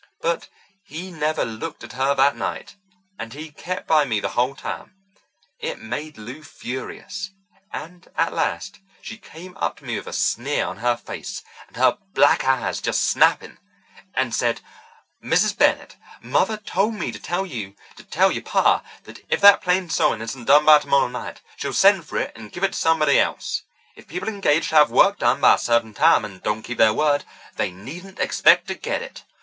But he never looked at her that night, and he kept by me the whole time. It made Lou furious, and at last she came up to me with a sneer on her face, and her black eyes just snapping, and said, 'Miss Bennett, Mother told me to tell you to tell your ma that if that plain sewing isn't done by tomorrow night she'll send for it and give it to somebody else; if people engage to have work done by a certain time and don't keep their word, they needn't expect to get it.'